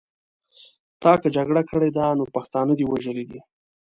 تا که جګړه کړې ده نو پښتانه دې وژلي دي.